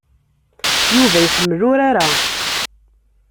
Yuba iḥemmel urar-a.